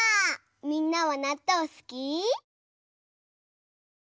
みんなはなっとうすき？